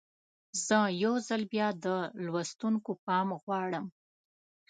زه یو ځل بیا د لوستونکو پام غواړم.